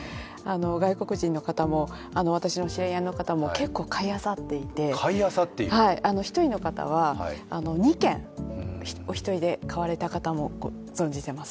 外国人の方も私の知り合いの方も結構買いあさっていて２軒、お一人で買われた方も存じています。